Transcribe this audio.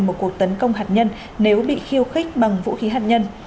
một cuộc tấn công hạt nhân nếu bị khiêu khích bằng vũ khí hạt nhân